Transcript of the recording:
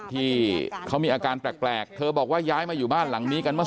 ที่เขามีอาการแปลกเธอบอกว่าย้ายมาอยู่บ้านหลังนี้กันเมื่อ